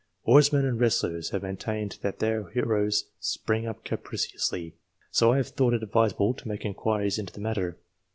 Oarsmen and wrestlers have maintained that their heroes spring up capriciously, so I have thought it advisable to make inquiries into the matter.